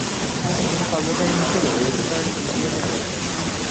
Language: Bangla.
তিনি কর্মচারী হিসেবে ওয়েস্টার্ন ইউনিয়নে যোগ দেন।